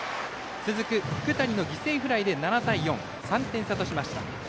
続く福谷の犠牲フライで７対４、３点差としました。